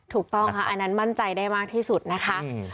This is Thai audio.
ถูกต้องค่ะอันนั้นมั่นใจได้มากที่สุดนะคะ